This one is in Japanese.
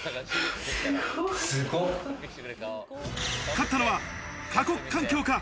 勝ったのは過酷環境か？